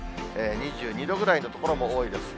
２２度ぐらいの所も多いです。